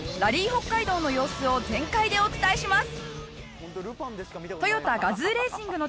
北海道の様子を全開でお伝えします。